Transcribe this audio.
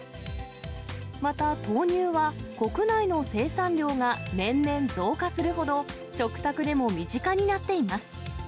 また豆乳は、国内の生産量が年々増加するほど、食卓でも身近になっています。